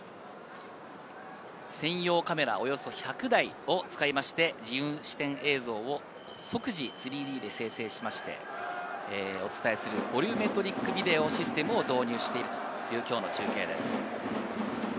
専用カメラおよそ１００台を使って自由視点映像を即時３Ｄで生成してお伝えするボリュメトリックビデオシステムを導入しているという、今日の中継です。